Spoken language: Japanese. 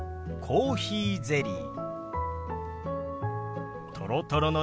「コーヒーゼリー」。